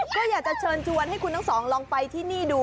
ก็อยากจะเชิญชวนให้คุณทั้งสองลองไปที่นี่ดู